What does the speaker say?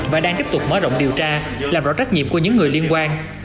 và đang tiếp tục mở rộng điều tra làm rõ trách nhiệm của những người liên quan